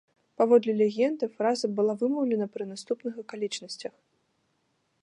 Паводле легенды, фраза была вымаўлена пры наступных акалічнасцях.